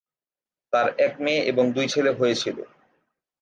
তার এক মেয়ে এবং দুই ছেলে হয়েছিল।